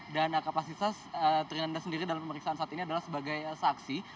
dan kapasitas trinanda sendiri dalam pemeriksaan saat ini adalah sebagai saksi